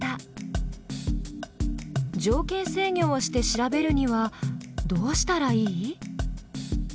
条件制御をして調べるにはどうしたらいい？